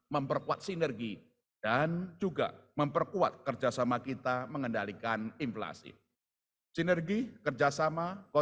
memperkuat sinergi dan juga memperkuat kerjasama kita mengendalikan inflasi